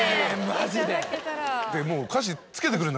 マジで？